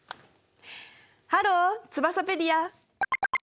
ハローツバサペディア！